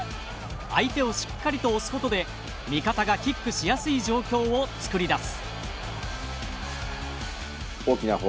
相手をしっかりと押すことで味方がキックしやすい状況を作り出す。